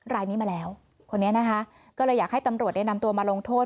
รายนี้มาแล้วคนนี้นะคะก็เลยอยากให้ตำรวจได้นำตัวมาลงโทษ